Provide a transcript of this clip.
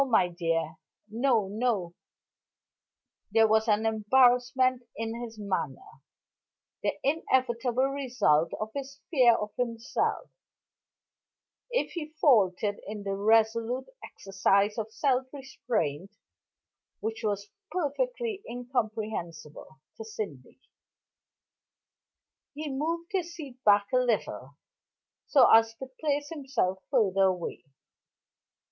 "No, my dear no, no." There was an embarrassment in his manner, the inevitable result of his fear of himself if he faltered in the resolute exercise of self restraint, which was perfectly incomprehensible to Sydney. He moved his seat back a little, so as to place himself further away.